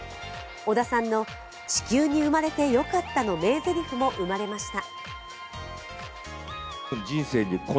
織田さんの「地球に生まれてよかったー！」の名ぜりふも生まれました。